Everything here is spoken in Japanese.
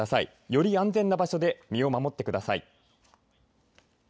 より安全な場所で身を守ってください。